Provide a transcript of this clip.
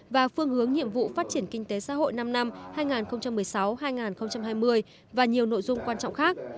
và phương hướng nhiệm vụ phát triển kinh tế xã hội năm năm hai nghìn một mươi sáu hai nghìn hai mươi và nhiều nội dung quan trọng khác